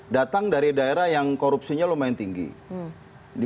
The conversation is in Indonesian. datang dari daerah yang korupsinya lumayan tinggi